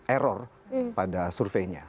error pada surveinya